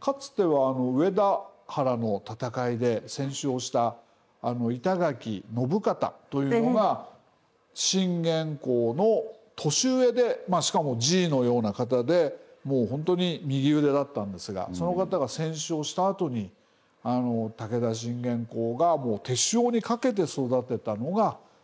かつてはあの上田原の戦いで戦死をした板垣信方というのが信玄公の年上でしかもじいのような方でもうほんとに右腕だったんですがその方が戦死をしたあとに武田信玄公が手塩にかけて育てたのが山県三郎右兵衛。